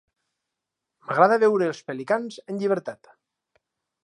M'agrada veure els pelicans en llibertat